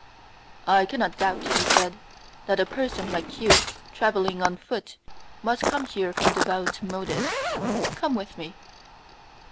"I cannot doubt," he said, "that a person like you, travelling on foot, must come here from devout motives; come with me."